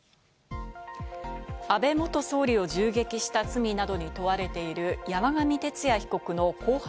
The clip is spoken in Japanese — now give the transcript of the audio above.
安倍元総理を銃撃した罪などに問われている、山上徹也被告の公判